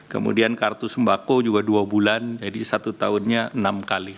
kemudian kartu sembako juga dua bulan jadi satu tahunnya enam kali